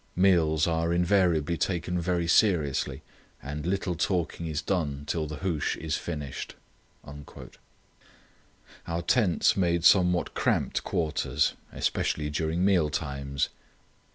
Meals are invariably taken very seriously, and little talking is done till the hoosh is finished." Our tents made somewhat cramped quarters, especially during meal times.